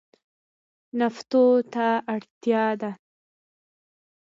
نفتو ته اړتیا ده.